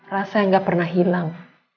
rasa yang gak pernah hilang